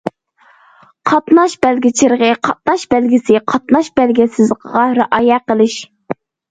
قاتناش بەلگە چىرىغى، قاتناش بەلگىسى، قاتناش بەلگە سىزىقىغا رىئايە قىلىش.